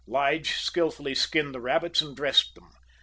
Lige skilfully skinned the rabbits and dressed them.